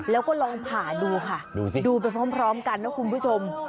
แล้วก็ลองผ่าดูค่ะดูสิดูไปพร้อมกันนะคุณผู้ชม